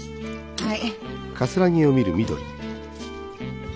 はい。